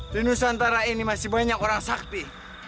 di nusantara ini masih banyak orang sakti